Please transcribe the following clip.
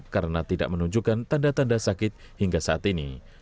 karena tidak menunjukkan tanda tanda sakit hingga saat ini